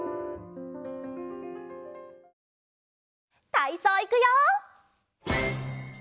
たいそういくよ！